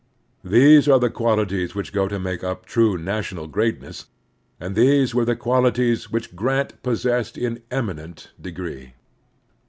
These are the qualities which go to make up true national greatness, and these were the qualities which Grant possessed in an eminent degree.